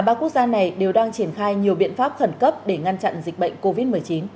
ba quốc gia này đều đang triển khai nhiều biện pháp khẩn cấp để ngăn chặn dịch bệnh covid một mươi chín